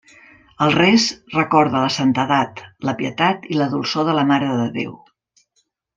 El rés recorda la santedat, la pietat i la dolçor de la Mare de Déu.